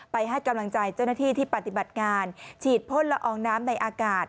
ให้กำลังใจเจ้าหน้าที่ที่ปฏิบัติงานฉีดพ่นละอองน้ำในอากาศ